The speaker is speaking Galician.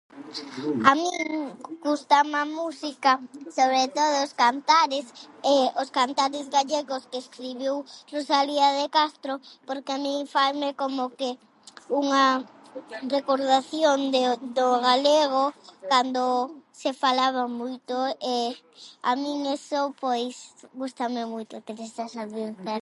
A min gústame a música, sobre todo, os cantares, os cantares gallegos que escribiu Rosalía de Castro porque a min faime como que unha recordación de do galego cando se falaba moito e a min eso, pois, gústame moito ter esa. [unintelligible]